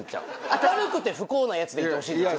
明るくて不幸なヤツでいてほしい。